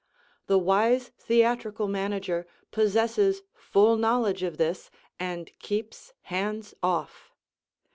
The wise theatrical manager possesses full knowledge of this and keeps hands off.